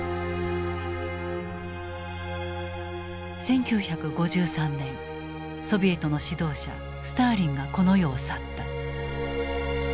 １９５３年ソビエトの指導者スターリンがこの世を去った。